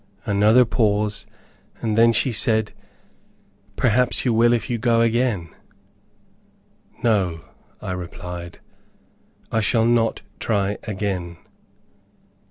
Another pause, and then she said, "Perhaps you will if you go again." "No," I replied, "I shall not try again."